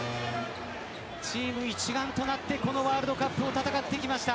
チーム一丸となってこのワールドカップを戦ってきました。